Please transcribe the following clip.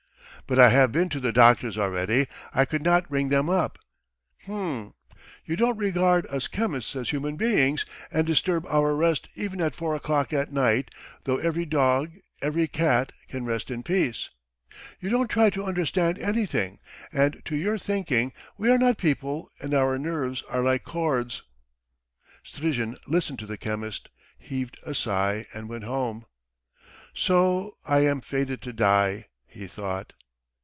"But I have been to the doctors already. I could not ring them up." "H'm ... you don't regard us chemists as human beings, and disturb our rest even at four o'clock at night, though every dog, every cat, can rest in peace. ... You don't try to understand anything, and to your thinking we are not people and our nerves are like cords." Strizhin listened to the chemist, heaved a sigh, and went home. "So I am fated to die," he thought.